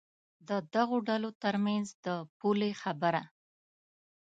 د دغو ډلو تر منځ د پولې خبره.